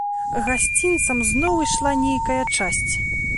Гасцінцам зноў ішла нейкая часць.